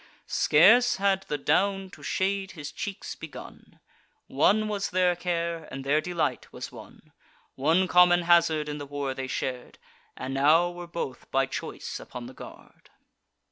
Scarce had the down to shade his cheeks begun. One was their care, and their delight was one: One common hazard in the war they shar'd, And now were both by choice upon the guard.